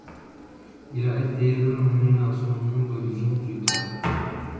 Il a été renommé à son nom d'origine plus tard.